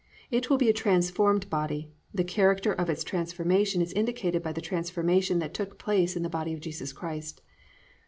It will be a transformed body; the character of its transformation is indicated by the transformation that took place in the body of Jesus Christ.